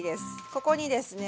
ここにですね